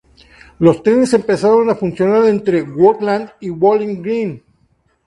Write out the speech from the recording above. Los trenes empezaron a funcionar entre WoodLawn y Bowling Green.